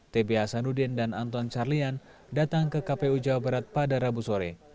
t b hasanudin dan anton carliat datang ke kpu jawa barat pada rabu sore